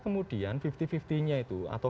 kemudian lima puluh lima puluh nya itu atau